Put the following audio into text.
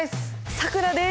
さくらです。